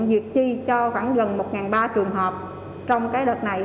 diệt chi cho khoảng gần một ba trăm linh trường hợp trong cái đợt này